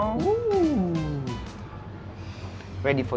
tidak ada yang tidak bisa dikawal